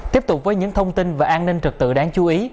tiếp tục với những thông tin về an ninh trật tự đáng chú ý